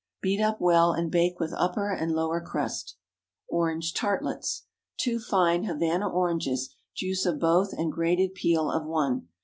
Beat up well, and bake with upper and lower crust. ORANGE TARTLETS. 2 fine Havana oranges, juice of both, and grated peel of one.